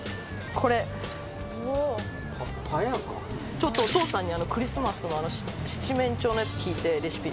ちょっとお父さんにクリスマスの七面鳥のやつ聞いてレシピ。